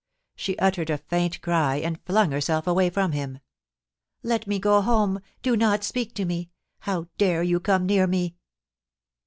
She uttered a faint cry, and flung herself away from him. ' Let me go home ! Do not speak to me 1 How dare you come near me